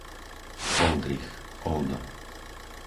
Oldrich, Oldo